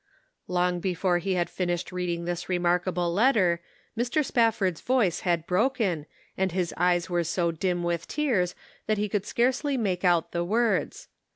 Long before he had finished reading this remarkable letter, Mr Spafford's voice had broken, and his eyes were so dim with tears that he could scarcely make out the words.